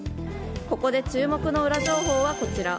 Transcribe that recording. ここで注目のウラ情報はこちら。